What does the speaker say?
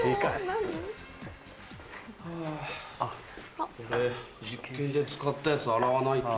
・ハァ・実験で使ったやつ洗わないと。